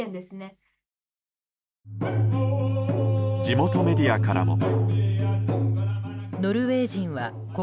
地元メディアからも。